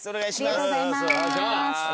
ありがとうございます。